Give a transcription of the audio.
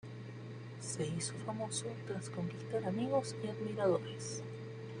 Se hizo famoso, tras conquistar amigos y admiradores.